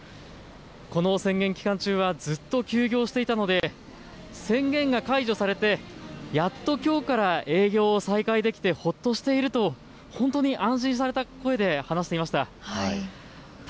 この宣言期間中はずっと休業していたので宣言が解除されてやっときょうから営業を再開できてほっとしていると本当に安心された声で話していました。